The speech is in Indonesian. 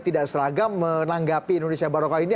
tidak seragam menanggapi indonesia barokah ini